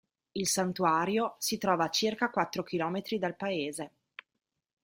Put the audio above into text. Il santuario si trova a circa quattro chilometri dal paese.